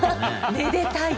めでたい！